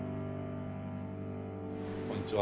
こんにちは。